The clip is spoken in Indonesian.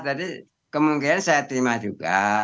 jadi kemungkinan saya terima juga